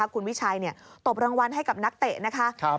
คุณวิชัยตบรางวัลให้กับนักเตะนะคะ